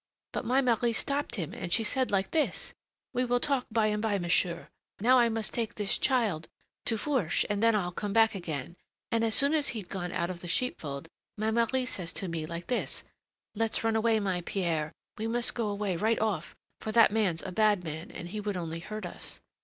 But my Marie stopped him, and she said like this: 'We will talk by and by, monsieur; now I must take this child to Fourche, and then I'll come back again.' And as soon as he'd gone out of the sheepfold, my Marie says to me like this: 'Let's run away, my Pierre, we must go away right off, for that man's a bad man, and he would only hurt us.'